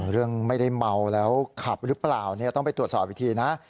เรื่องไม่ได้เมาแล้วขับหรือเปล่าต้องไปตรวจสอบอีกทีนะ